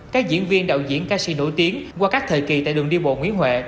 các diễn viên đạo diễn ca sĩ nổi tiếng qua các thời kỳ tại đường đi bộ nguyễn huệ